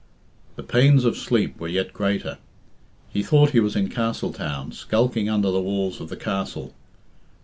The pains of sleep were yet greater. He thought he was in Castletown, skulking under the walls of the castle.